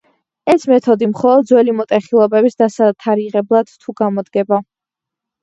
ეს მეთოდი მხოლოდ ძველი მოტეხილობების დასათარიღებლად თუ გამოდგება.